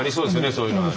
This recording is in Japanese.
そういうのは。